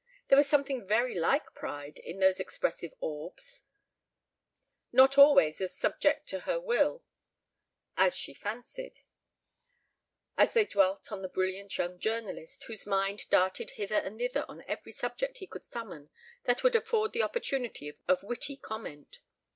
There was something very like pride in those expressive orbs (not always as subject to her will as she fancied), as they dwelt on the brilliant young journalist whose mind darted hither and thither on every subject he could summon that would afford the opportunity of witty comment.